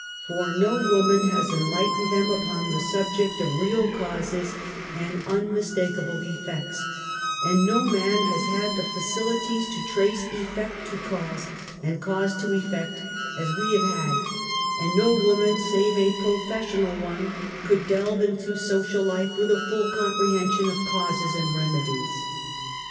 For no woman has enlighten ed them upon the subject of real causes, and iin LANGUAGE OF THE NERVES, 145 mistakable effects, and no man lias had the facilities to trace effect to cause and cause to effect as we have had, and no woman, save a professional one, could delve into social life with a full comprehension of causes and remedies.